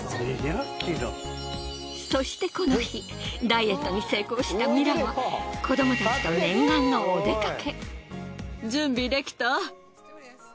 そしてこの日ダイエットに成功したミラは子ども達と念願のお出かけ。